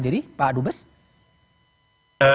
harus menempatkan diri pak dubes